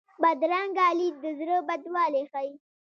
بدرنګه لید د زړه بدوالی ښيي